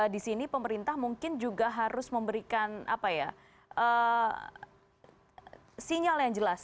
disini pemerintah mungkin juga harus memberikan sinyal yang jelas